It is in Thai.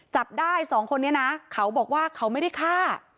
จับได้สองคนนี้นะเขาบอกว่าเขาไม่ได้ฆ่า